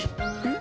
ん？